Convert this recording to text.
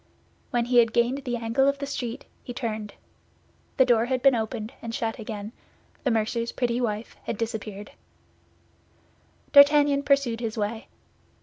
When he had gained the angle of the street, he turned. The door had been opened, and shut again; the mercer's pretty wife had disappeared. D'Artagnan pursued his way.